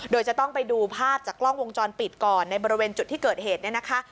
โดยจะต้องไปดูภาพจากกล้องวงจรปิดก่อนในบริเวณจุดที่เกิดเหตุเนี่ยนะคะ